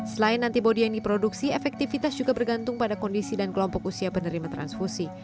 selain antibody yang diproduksi efektivitas juga bergantung pada kondisi dan kelompok usia penerima transfusi